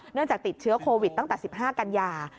จากติดเชื้อโควิดตั้งแต่๑๕กันยา